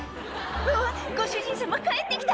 「あっご主人様帰って来た」